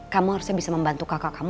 kamu harusnya bisa membantu kakak kamu